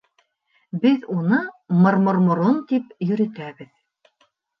Беҙ уны Мырмырморон тип йөрөтәбеҙ.